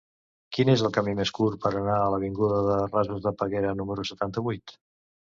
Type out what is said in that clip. Quin és el camí més curt per anar a l'avinguda dels Rasos de Peguera número setanta-vuit?